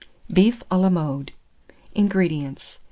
BEEF A LA MODE. 602. INGREDIENTS.